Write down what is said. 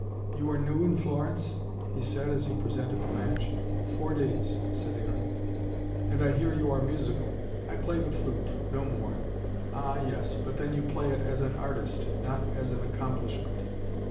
"You are new in Florence?" he said, as he presented the match. "Four days," said Aaron. "And I hear you are musical." "I play the flute no more." "Ah, yes but then you play it as an artist, not as an accomplishment."